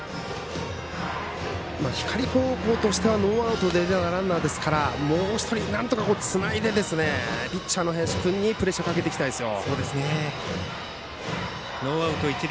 光高校としてはノーアウトで出たランナーですからもう１人、なんとかつないでピッチャーの林君にプレッシャーかけていきたいです。